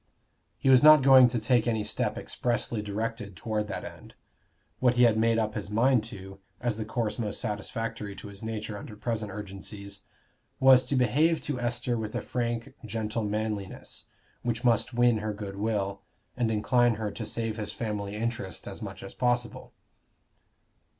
He was not going to take any step expressly directed toward that end: what he had made up his mind to, as the course most satisfactory to his nature under present urgencies, was to behave to Esther with a frank gentle manliness, which must win her good will, and incline her to save his family interest as much as possible.